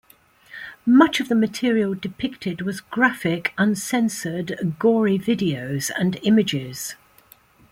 Much of the material depicted was graphic, uncensored, gory videos and images.